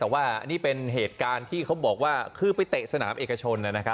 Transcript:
แต่ว่านี่เป็นเหตุการณ์ที่เขาบอกว่าคือไปเตะสนามเอกชน